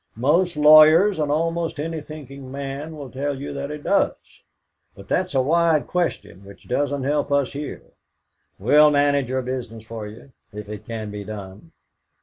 Most lawyers and almost any thinking man will tell you that it does. But that's a wide question which doesn't help us here. We'll manage your business for you, if it can be done.